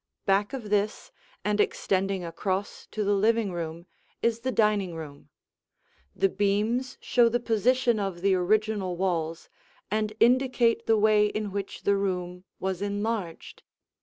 Back of this, and extending across to the living room, is the dining room. The beams show the position of the original walls and indicate the way in which the room was enlarged.